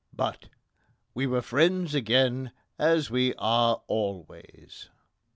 But we were friends again, as we are always!"